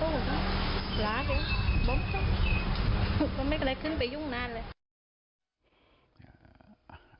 ก็ไม่ให้ขึ้นไปยุ่งนานเลย